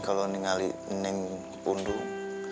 kalau neng pundung